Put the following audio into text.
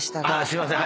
すいません。